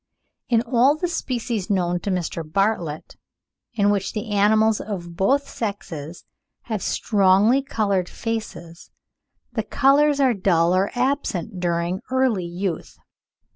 In all the species known to Mr. Bartlett, in which the adults of both sexes have strongly coloured faces, the colours are dull or absent during early youth.